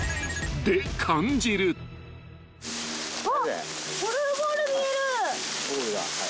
あっゴルフボール見える！